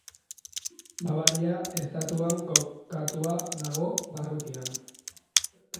Bavaria estatuan kokatuta dago, barrutian.